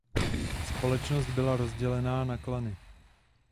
Společnost byla rozdělená na klany.